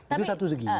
itu satu segi